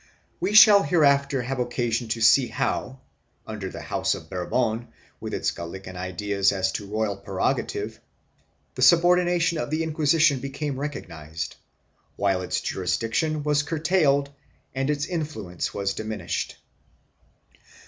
1 We shall hereafter have occasion to see how, under the House of Bourbon, with its Gallican ideas as to royal prerogative, the subordination of the Inquisition became recognized, while its jurisdiction was curtailed and its influence was diminished.